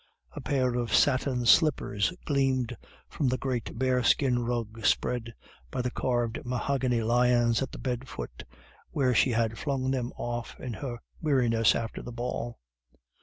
A pair of satin slippers gleamed from the great bear skin rug spread by the carved mahogany lions at the bed foot, where she had flung them off in her weariness after the ball.